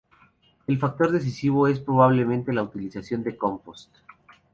El factor decisivo es probablemente la utilización de compost.